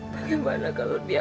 bagaimana kalau dia